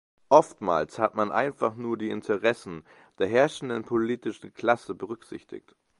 Oftmals hat man einfach nur die Interessen der herrschenden politischen Klasse berücksichtigt.